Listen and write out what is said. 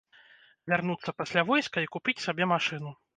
Вярнуцца пасля войска і купіць сабе машыну.